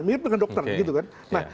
mirip dengan dokter gitu kan nah